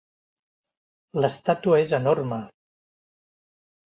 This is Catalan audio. L'estàtua és enorme.